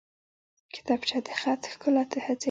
کتابچه د خط ښکلا ته هڅوي